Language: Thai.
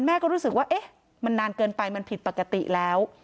แม่ก็รู้สึกว่าเอ๊ะมันนานเกินไปมันผิดปกติแล้ว